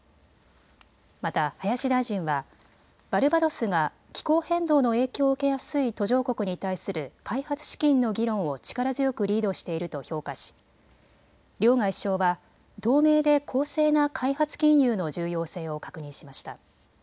また林大臣はバルバドスが気候変動の影響を受けやすい途上国に対する開発資金の議論を力強くリードしていると評価し両外相は透明で公正な開発金融の重要性を確認しました。